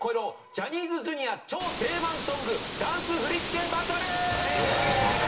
ジャニーズＪｒ．超定番ソングダンス振り付けバトル！